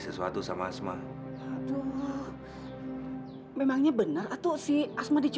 weh kamu betul lagi